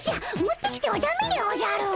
持ってきてはダメでおじゃる！